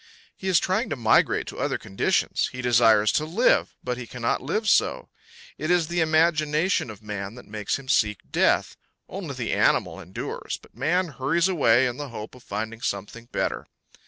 He is trying to migrate to other conditions; he desires to live, but he cannot live so. It is the imagination of man that makes him seek death; only the animal endures, but man hurries away in the hope of finding something better.